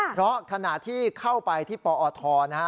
เพราะขณะที่เข้าไปที่ปอทนะฮะ